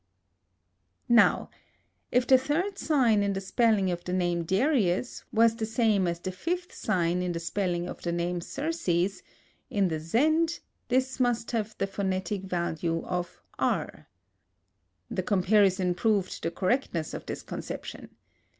Now, if the third sign in the spelling of the name of Darius was the same as the fifth sign in the spelling of the name Xerxes, in the Zend, this must have the phonetic value of R. The comparison proved the correctness of his conception.